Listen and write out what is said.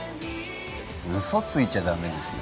嘘ついちゃダメですよ